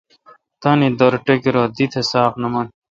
تانی در ٹکرہ ۔دی تہ ساق نہ من